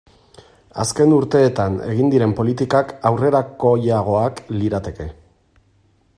Azken urteetan egin diren politikak aurrerakoiagoak lirateke.